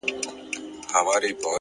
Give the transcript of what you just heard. مثبت چلند سخت حالات نرموي،